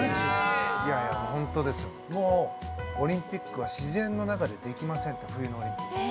もうオリンピックは自然の中でできませんって冬のオリンピック。